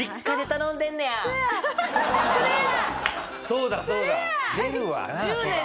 そうだそうだ！